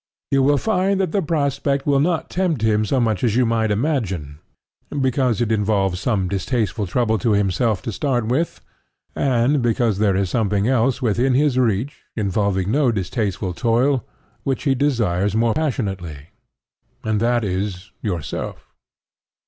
You will find that the prospect will not tempt him so much as you might imagine, because it involves some distasteful trouble to himself to start with, and because there is something else within his reach involving no distasteful toil, which he desires more passionately; and that is yourself.